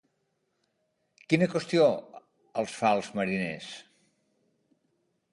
Quina qüestió els fa als mariners?